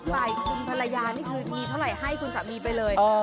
ฝ่ายคุณภรรยานี่คือมีเท่าไหร่ให้คุณสามีไปเลย